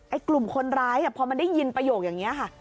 กลุ่มคนร้ายพอมันได้ยินประโยคอย่างนี้ค่ะ